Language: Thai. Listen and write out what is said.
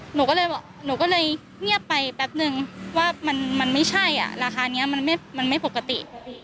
หนูก็เลยเงียบไปแป๊บนึงว่ามันไม่ใช่ราคานี้มันไม่ปกติ